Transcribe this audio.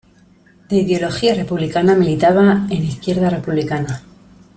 De ideología republicana, militaba en Izquierda Republicana.